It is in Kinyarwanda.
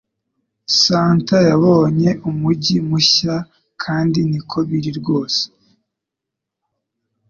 Santa yabonye umujyi mushya kandi niko biri rwose